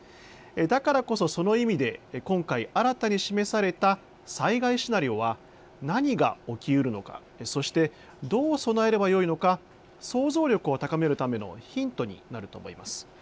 だからこそ、その意味で今回、新たに示された災害シナリオは何が起きうるのか、そしてどう備えればよいのか想像力を高めるためのヒントになると思います。